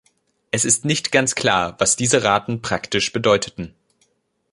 Es ist nicht ganz klar, was diese Raten praktisch bedeuteten.